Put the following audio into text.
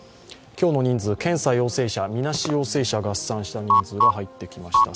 今日の人数、検査陽性者、みなし陽性者を合算した人数が入ってきました。